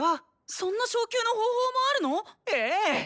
そんな昇級の方法もあるの⁉ええ！